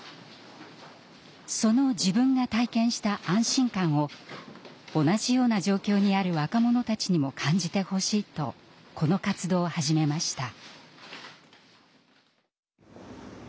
その自分が体験した安心感を同じような状況にある若者たちにも感じてほしいとこの活動を始めました。